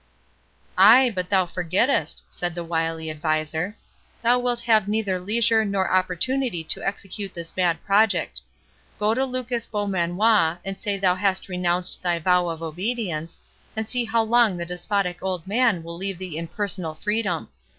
"Ay, but thou forgettest," said the wily adviser, "thou wilt have neither leisure nor opportunity to execute this mad project. Go to Lucas Beaumanoir, and say thou hast renounced thy vow of obedience, and see how long the despotic old man will leave thee in personal freedom.